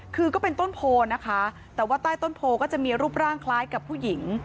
คือก็เป็นต้นโพนะคะแต่ว่าใต้ต้นโพก็จะมีรูปร่างคล้ายกับผู้หญิง